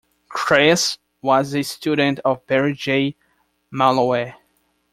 Chris was a student of Barry J. Mailloux.